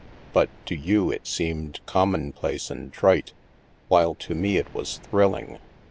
But to you it seemed commonplace and trite, while to me it was thrilling.